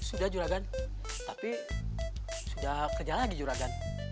sudah juragan tapi sudah kerja lagi juragan